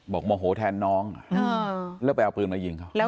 โมโหแทนน้องแล้วไปเอาปืนมายิงเขา